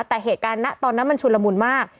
แต่เหตุการณ์ตอนนั้นมันชุนละมุนมาก